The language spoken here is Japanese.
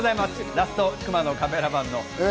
ラスト熊野カメラマンの。